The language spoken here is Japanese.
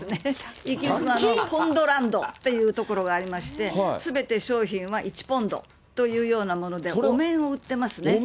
イギリスのポンドランドっていうところがありまして、すべて商品は１ポンドというもので、お面を売ってますね。